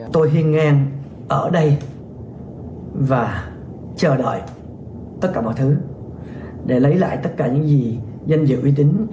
tôi hiên ngang ở đây và chờ đợi tất cả mọi thứ để lấy lại tất cả những gì danh dự uy tín